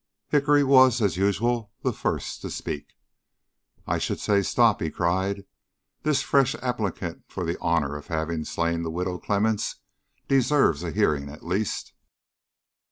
Hickory was, as usual, the first to speak. "I should say, stop," he cried. "This fresh applicant for the honor of having slain the Widow Clemmens deserves a hearing at least."